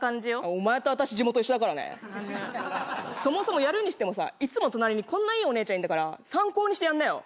お前と私地元一緒だからねなぬそもそもやるにしてもさいつも隣にこんないいお姉ちゃんいんだから参考にしてやんなよ